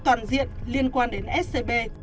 toàn diện liên quan đến scb